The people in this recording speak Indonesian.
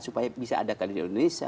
supaya bisa adakan di indonesia